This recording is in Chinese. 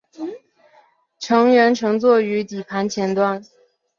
乘员乘坐于底盘前端。